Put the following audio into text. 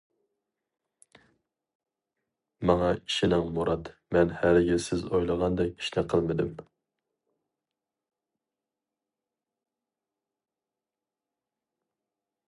ماڭا ئىشىنىڭ مۇرات مەن ھەرگىز سىز ئويلىغاندەك ئىشنى قىلمىدىم.